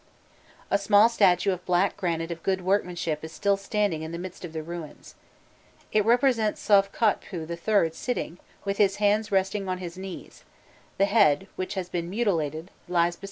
A small statue of black granite of good workmanship is still standing in the midst of the ruins. It represents Sovkhotpû III. sitting, with his hands resting on his knees; the head, which has been mutilated, lies beside the body.